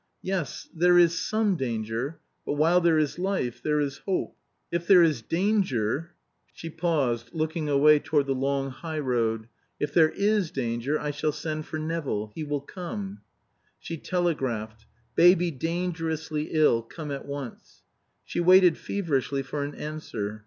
"Yes, there is some danger. But while there is life there is hope." "If there is danger " she paused, looking away toward the long highroad, "if there is danger, I shall send for Nevill. He will come." She telegraphed: "Baby dangerously ill. Come at once." She waited feverishly for an answer.